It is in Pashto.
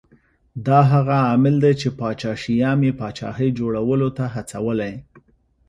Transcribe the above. دا هغه عامل دی چې پاچا شیام یې پاچاهۍ جوړولو ته هڅولی